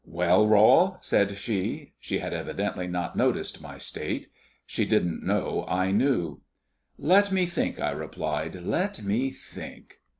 "Well, Rol?" said Carrie. She had evidently not noticed my state. She didn't know I knew. "Let me think," I replied, "let me think."